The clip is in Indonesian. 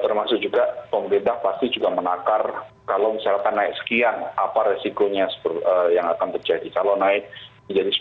termasuk juga pemerintah pasti juga menakar kalau misalkan naik sekian apa resikonya yang akan terjadi kalau naik menjadi sepuluh